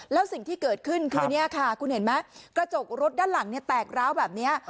แล้วสิ่งที่เกิดขึ้นคือเนี่ยค่ะคุณเห็นไหมกระจกรถด้านหลังเนี่ยแตกร้าวแบบนี้